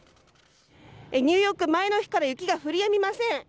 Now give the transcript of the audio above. ニューヨークは前の日から雪が降りやみません。